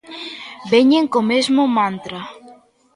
Veñen co mesmo mantra.